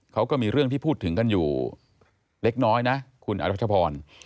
เขาก็มีเรื่องที่พูดถึงกันอยู่เล็กน้อยนะคุณอรัชพร